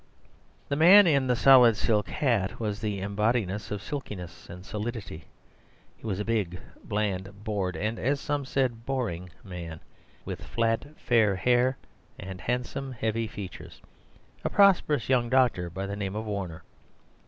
The man in the solid silk hat was the embodiment of silkiness and solidity. He was a big, bland, bored and (as some said) boring man, with flat fair hair and handsome heavy features; a prosperous young doctor by the name of Warner.